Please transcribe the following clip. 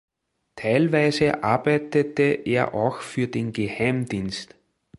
Teilweise arbeitete er auch für den Geheimdienst.